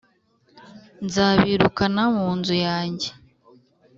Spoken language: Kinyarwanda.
Nzabirukana mu nzu yanjye,